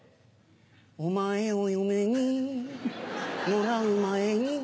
お前を嫁にもらう前に